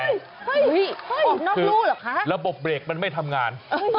เฮ่ยออกนอกรูหรือคะคือระบบเบรกมันไม่ทำงาน